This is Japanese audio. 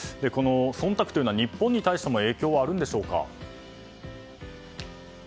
忖度というのは日本に対しても影響はあるんでしょうか？